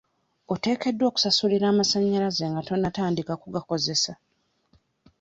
Oteekeddwa okusasulira amasannyalaze nga tonnatandika kugakozesa.